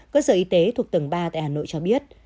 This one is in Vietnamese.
cơ sở y tế thuộc tầng ba tại hà nội cho biết